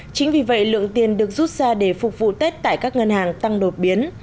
chính vì vậy lượng tiền được rút ra để phục vụ tết tại các ngân hàng tăng đột biến